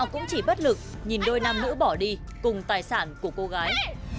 cũng chỉ bất lực nhìn đôi nam nữ bỏ đi cùng tài sản của cô gái